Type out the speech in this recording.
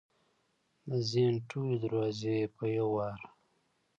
د ذهن ټولې دروازې یې په یو وار